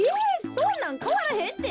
そんなんかわらへんて。